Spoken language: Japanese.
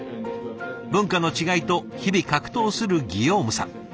文化の違いと日々格闘するギヨームさん。